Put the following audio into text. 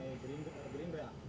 dengan partai gerindra